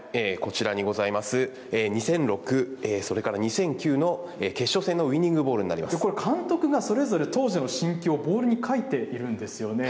こちらにございます、２００６、それから２００９の決勝戦のこれ、監督がそれぞれ当時の心境を、ボールに書いているんですよね。